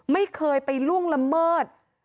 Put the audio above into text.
ไม่เคยไปล่วงละเมิด